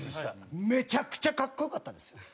めちゃくちゃ格好良かったですよ。